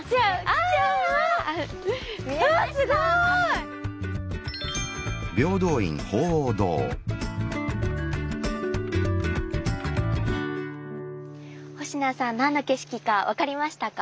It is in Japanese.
あすごい！星名さん何の景色か分かりましたか？